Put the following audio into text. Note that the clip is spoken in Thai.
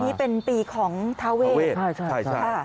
ปีนี้เป็นปีของทาเวส